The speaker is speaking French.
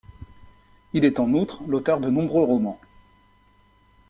Il est, en outre, l'auteur de nombreux romans.